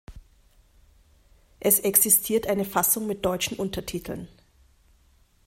Es existiert eine Fassung mit deutschen Untertiteln.